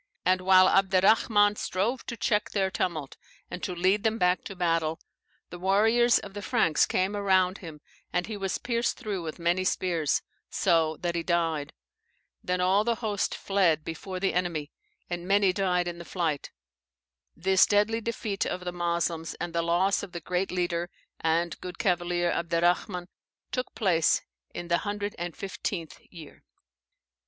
And while Abderrahman strove to check their tumult, and to lead them back to battle, the warriors of the Franks came around him, and he was pierced through with many spears, so that he died. Then all the host fled before the enemy, and many died in the flight. This deadly defeat of the Moslems, and the loss of the great leader and good cavalier Abderrahman, took place in the hundred and fifteenth year.